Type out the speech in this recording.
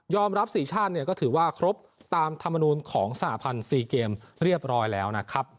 รับ๔ชาติเนี่ยก็ถือว่าครบตามธรรมนูลของสหพันธ์๔เกมเรียบร้อยแล้วนะครับ